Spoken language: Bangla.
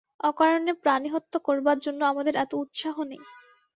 অকারণে প্রাণিহত্যা করবার জন্যে আমাদের এত উৎসাহ নেই।